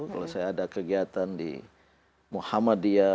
kalau saya ada kegiatan di muhammadiyah